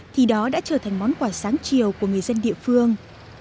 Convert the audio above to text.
thì đó đã trở thành món quà sáng chiều của người dân địa phương